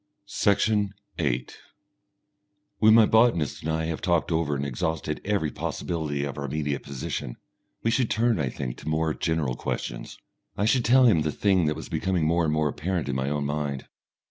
Section 8 When my botanist and I have talked over and exhausted every possibility of our immediate position, we should turn, I think, to more general questions. I should tell him the thing that was becoming more and more apparent in my own mind.